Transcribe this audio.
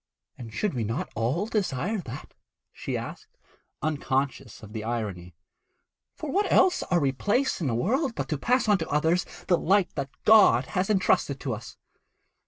'And should we not all desire that?' she asked, unconscious of the irony. 'For what else are we placed in the world but to pass on to others the light that God has entrusted to us?'